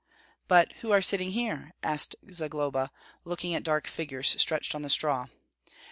"But who are sitting here?" asked Zagloba, looking at dark figures stretched on the straw.